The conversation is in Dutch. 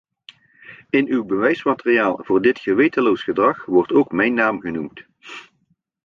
In uw bewijsmateriaal voor dit gewetenloos gedrag wordt ook mijn naam genoemd.